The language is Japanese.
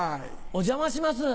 お邪魔します。